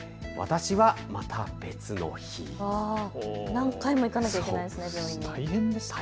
何回も行かなきゃいけないですね。